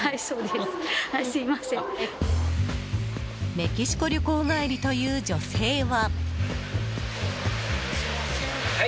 メキシコ旅行帰りという女性は。